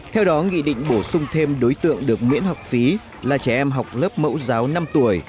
theo đó nghị định bổ sung thêm đối tượng được miễn học phí là trẻ em học lớp mẫu giáo năm tuổi